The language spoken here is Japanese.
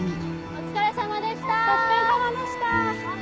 お疲れさまでした。